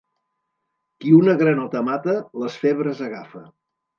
Qui una granota mata, les febres agafa.